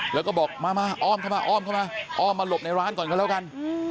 แล้วก็บอกมามาอ้อมเข้ามาอ้อมเข้ามาอ้อมมาหลบในร้านก่อนก็แล้วกัน